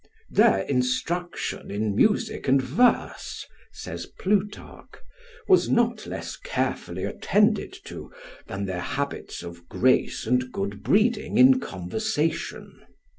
"Their instruction in music and verse," says Plutarch, "was not less carefully attended to than their habits of grace and good breeding in conversation.